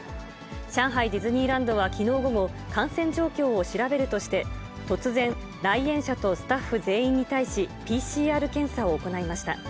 上海ディズニーランドはきのう午後、感染状況を調べるとして、突然、来園者とスタッフ全員に対し、ＰＣＲ検査を行いました。